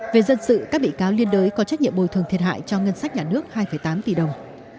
về dân sự các bị cáo liên đới có trách nhiệm bồi thường thiệt hại cho ngân sách nhà nước hai tám tỷ đồng